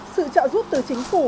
sự trợ giúp từ chính phủ